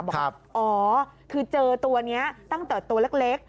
บอกว่าอ๋อคือเจอตัวนี้ตั้งแต่ตัวเล็ก